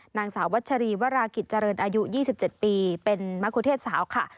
นางสาววัชรีวรากิจเจริญอายุ๒๗ปีเป็นมะคุเทศสาวค่ะ